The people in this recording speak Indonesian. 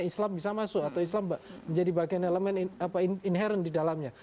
islam bisa masuk atau islam menjadi bagian elemen inherent di dalamnya